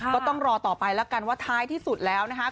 ก็ต้องรอต่อไปแล้วกันว่าท้ายที่สุดแล้วนะคะ